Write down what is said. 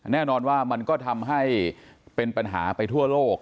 แน่นอนว่ามันก็ทำให้เป็นปัญหาไปทั่วโลก